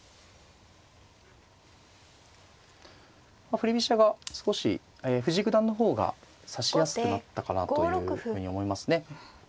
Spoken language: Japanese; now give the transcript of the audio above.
振り飛車が少し藤井九段の方が指しやすくなったかなというふうに思いますね。